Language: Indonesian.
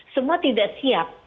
semua tidak siap